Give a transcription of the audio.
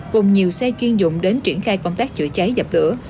cùng nhiều xe chuyên dụng đến triển khai công tác chữa cháy dập lửa